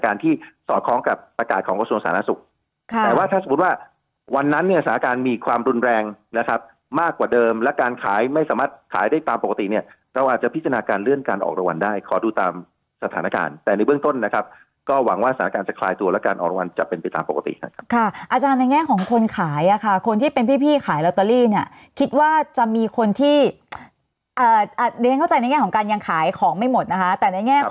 แต่มีการออกรวรรณที่ดูแลในระบบปิดเฉพาะแต่มีการออกรวรรณที่ดูแลในระบบปิดเฉพาะแต่มีการออกรวรรณที่ดูแลในระบบปิดเฉพาะแต่มีการออกรวรรณที่ดูแลในระบบปิดเฉพาะแต่มีการออกรวรรณที่ดูแลในระบบปิดเฉพาะแต่มีการออกรวรรณที่ดูแลในระบบปิดเฉพาะแต่มีการออกรวรรณที่ดูแลในระบบปิดเฉพาะแต่มีการ